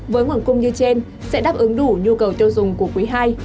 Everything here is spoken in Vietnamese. với nguồn cung như trên sẽ đáp ứng đủ nhu cầu tiêu dùng của quý ii